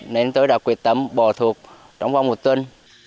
nên tôi đã quyết tâm bỏ thuốc trong vòng một tuần